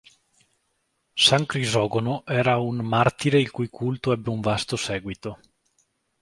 San Crisogono era un martire il cui culto ebbe un vasto seguito.